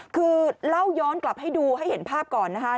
คือเล่าย้อนกลับให้ดูให้เห็นภาพก่อนนะคะ